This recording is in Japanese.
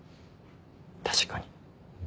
確かに。